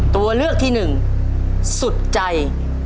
ตัวเลือกที่หนึ่งสุดใจ